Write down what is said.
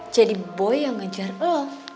jadi bohong yang ngejar lo